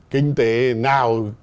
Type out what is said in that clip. kinh tế nào